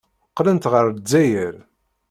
Qqlent ɣer Lezzayer.